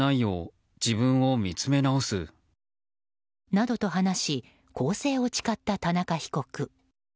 などと話し更生を誓った田中被告。